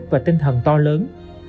chất và tinh thần to lớn